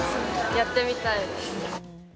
やってみたいです。